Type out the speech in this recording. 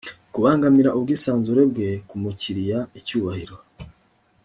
kubangamira ubwisanzure bwe ku mukiriya icyubahiro